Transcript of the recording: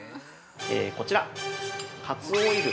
◆こちら、カツオオイル